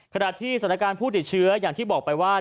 ขณะที่สถานการณ์ผู้ติดเชื้ออย่างที่บอกไปว่า